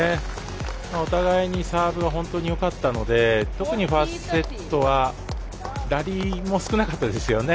お互いにサーブが本当によかったので特にファーストセットはラリーも少なかったですよね。